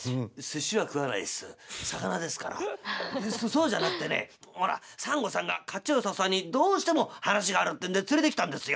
そうじゃなくてねほらサンゴさんが褐虫藻さんにどうしても話があるってんで連れてきたんですよ。